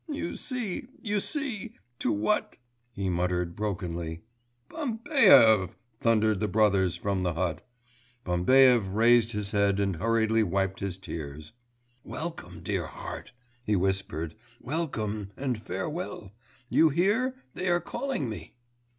'You see ... you see ... to what....' he muttered brokenly. 'Bambaev!' thundered the brothers from the hut. Bambaev raised his head and hurriedly wiped his tears. 'Welcome, dear heart,' he whispered, 'welcome and farewell!... You hear, they are calling me.